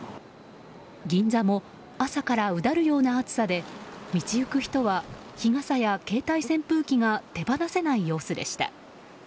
銀座も朝からうだるような暑さで道行く人は、日傘や携帯扇風機が手放せない様子でした。